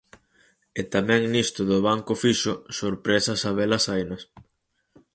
E tamén nisto do banco fixo, sorpresas habelas hainas.